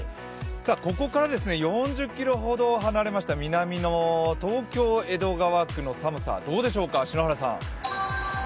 ここから４０ｋｍほど離れました南の東京・江戸川区の寒さ、どうでしょうか、篠原さん。